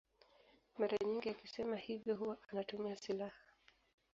Mara nyingi akisema hivyo huwa anatumia silaha.